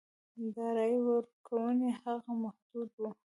د رایې ورکونې حق محدود و.